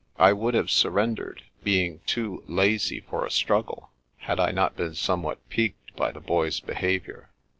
I would have surrendered, being too lazy for a struggle, had I not been somewhat piqued by the Boy's behaviour.